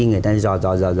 người ta dò dò dò dò